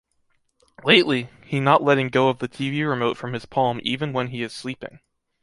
Lately, he not letting go of the tv remote from his palm even when he is sleeping.